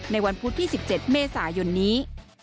วันพุธที่๑๗เมษายนนี้